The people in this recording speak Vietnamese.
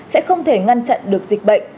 sẽ không thể ngăn chặn được dịch bệnh